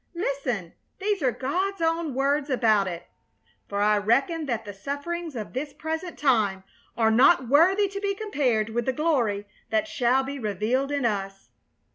Listen, these are God's own words about it: 'For I reckon that the sufferings of this present time are not worthy to be compared with the glory that shall be revealed in us.'"